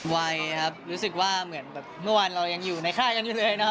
วัยครับรู้สึกว่าเหมือนแบบเมื่อวานเรายังอยู่ในค่ายกันอยู่เลยนะ